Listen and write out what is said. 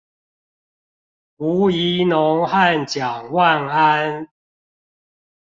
吳怡農和蔣萬安